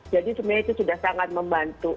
jadi sebenarnya itu sudah sangat membantu